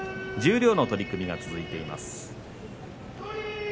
十両の取組が続いています。